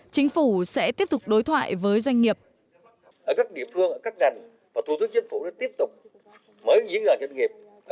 chính phủ sẽ tiếp tục đối thoại với doanh nghiệp